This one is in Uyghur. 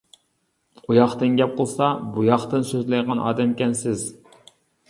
ئۇ ياقتىن گەپ قىلسا بۇ ياقتىن سۆزلەيدىغان ئادەمكەنسىز.